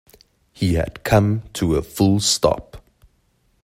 He had come to a full stop